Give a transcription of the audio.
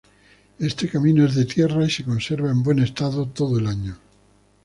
Este camino es de tierra y se conserva en buen estado todo el año.